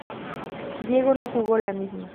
Diego no jugó la misma.